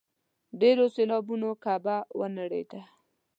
ډېرو سېلابونو کعبه ونړېده.